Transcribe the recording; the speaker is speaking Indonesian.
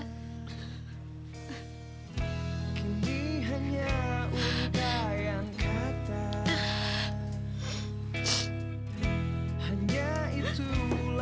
candy hanya unta yang kata